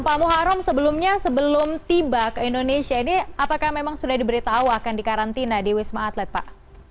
pak muharrem sebelumnya sebelum tiba ke indonesia ini apakah memang sudah diberitahu akan dikarantina di wisma atlet pak